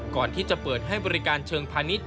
ก่อนที่จะเปิดให้บริการเชิงพาณิชย